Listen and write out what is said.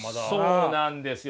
そうなんですよ。